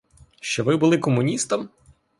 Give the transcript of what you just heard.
Що ви були комуністом?